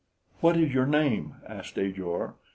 "What is your name?" asked Ajor.